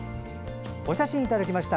お写真をいただきました。